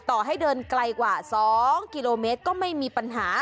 ต่อให้เดินไกลกว่า๒กิโลเมตรก็ไม่มีปัญหา